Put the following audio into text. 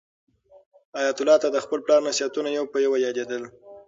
حیات الله ته د خپل پلار نصیحتونه یو په یو یادېدل.